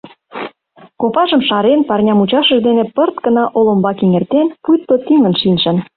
Копажым шарен, парня мучашыж дене пырт гына олымбак эҥертен, пуйто тӱҥын шинчын.